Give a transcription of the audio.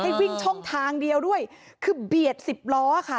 วิ่งช่องทางเดียวด้วยคือเบียดสิบล้อค่ะ